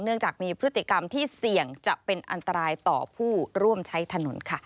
จากมีพฤติกรรมที่เสี่ยงจะเป็นอันตรายต่อผู้ร่วมใช้ถนนค่ะ